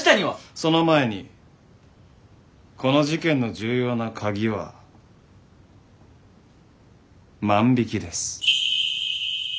その前にこの事件の重要な鍵は万引きです。